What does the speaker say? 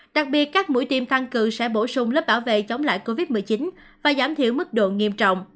đặc biệt các mũi tiêm tăng cự sẽ bổ sung lớp bảo vệ chống lại covid một mươi chín và giảm thiểu mức độ nghiêm trọng